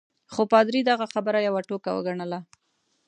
خو پادري دغه خبره یوه ټوکه وګڼل.